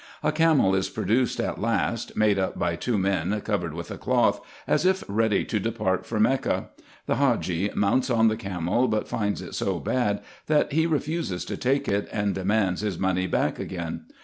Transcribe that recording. A camel is produced at last, made up by two men covered with a cloth, as if ready to depart for Mecca. The Hadgee mounts on the camel, but finds it so bad, that he refuses to take it, and demands his money back again.